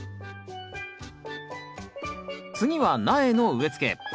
次は苗の植え付け